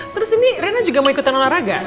terus ini rena juga mau ikutan olahraga